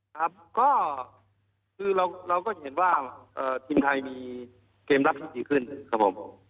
ครับก็คือเราก็เห็นว่าทีมไทยมีเกมรับที่ดีขึ้นครับผม